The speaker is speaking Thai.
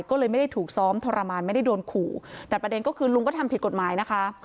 ก็เลยไม่ได้ถูกซ้อมทรมานไม่ได้โดนขู่แต่ประเด็นก็คือลุงก็ทำผิดกฎหมายนะคะ